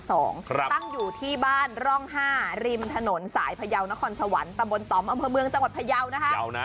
ตั้งอยู่ที่บ้านร่อง๕ริมถนนสายพยาวนครสวรรค์ตำบลต่อมอำเภอเมืองจังหวัดพยาวนะคะ